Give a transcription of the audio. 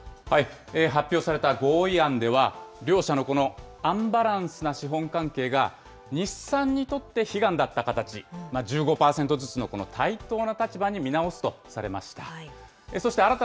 発表された合意案では、両社のこのアンバランスな資本関係が、日産にとって悲願だった形、１５％ずつのこの対等な立場に見直すとされました。